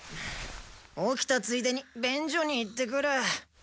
起きたついでに便所に行ってくる。